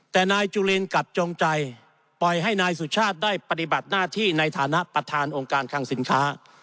แต่นายจุลินกลับจงใจปล่อยให้นายสุชาติได้ปฏิบัติหน้าที่ในฐานะประธานองค์การคังสินค้า